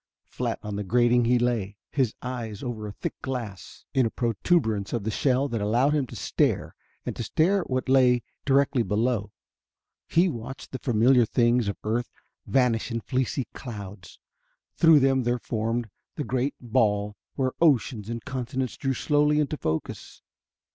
Flat on the grating he lay, his eyes over a thick glass in a proturbance of the shell that allowed him to stare and stare at what lay directly below. He watched the familiar things of earth vanish in fleecy clouds; through them there formed the great ball, where oceans and continents drew slowly into focus.